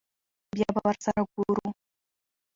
بيا به ور سره ګورو.